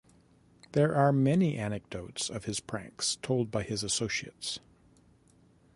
There are many anecdotes of his pranks told by his associates.